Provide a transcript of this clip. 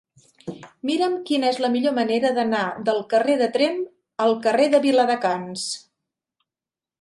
Mira'm quina és la millor manera d'anar del carrer de Tremp al carrer de Viladecans.